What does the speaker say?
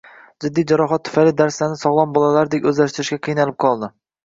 Jiddiy jarohat tufayli darslarni sog`lom bolalardek o`zlartirishga qiynalib qoldi